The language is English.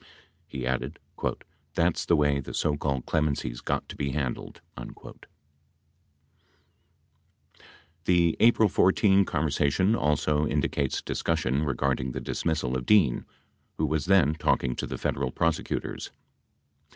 He added, "That's the way the so called clemency's got to be handled." « The April 14 conversation also indicates discussion regarding the dismissal of Dean, who was then talking to the Federal prosecutors.